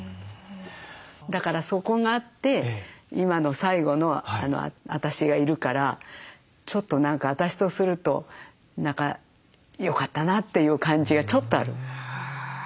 だからそこがあって今の最後の私がいるからちょっと何か私とすると何かよかったなという感じがちょっとある。